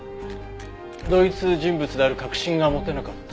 同一人物である確信が持てなかったと？